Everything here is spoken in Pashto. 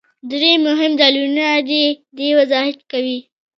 درې مهم دلیلونه د دې وضاحت کوي.